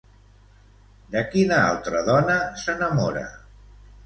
De quina altra dona s'enamora?